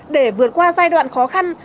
để vượt qua giai đoạn khó khăn